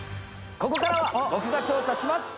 ここからは僕が調査します！